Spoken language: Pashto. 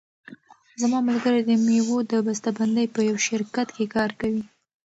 زما ملګری د مېوو د بسته بندۍ په یوه شرکت کې کار کوي.